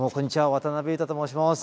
渡辺裕太と申します。